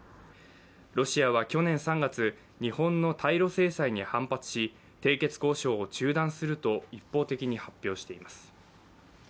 ロシアは去年３月日本の対ロ制裁に反発し締結交渉を中断すると一方的に発表しています。